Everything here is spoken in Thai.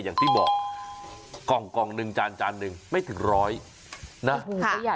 อย่างที่บอกกล่องหนึ่งจานหนึ่งไม่ถึง๑๐๐บาทนะ